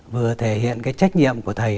vừa thể hiện cái trách nhiệm của thầy